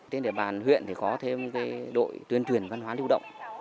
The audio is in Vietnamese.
trên địa bàn huyện thì có thêm đội tuyên truyền văn hóa lưu động